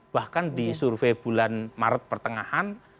bahkan di survei bulan maret pertengahan